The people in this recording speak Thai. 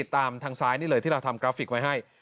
ตามทางซ้ายนี่เลยที่เราทำกราฟิกไว้ให้